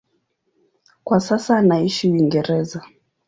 Kwa sasa anaishi Uingereza.